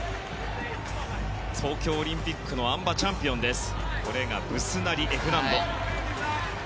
東京オリンピックのあん馬チャンピオンです。